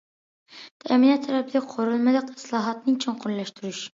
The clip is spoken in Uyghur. تەمىنات تەرەپلىك قۇرۇلمىلىق ئىسلاھاتنى چوڭقۇرلاشتۇرۇش.